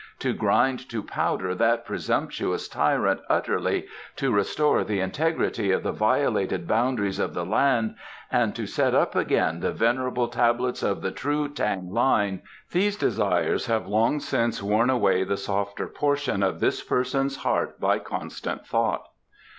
"To grind to powder that presumptuous tyrant utterly, to restore the integrity of the violated boundaries of the land, and to set up again the venerable Tablets of the true Tang line these desires have long since worn away the softer portion of this person's heart by constant thought."